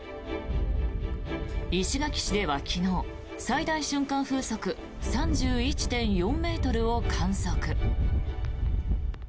石垣市では昨日最大瞬間風速３１．４ｍを観測。